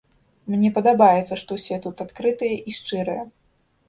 Мне падабаецца, што ўсе тут адкрытыя і шчырыя.